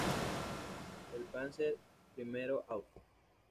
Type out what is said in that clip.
El Panzer I Ausf.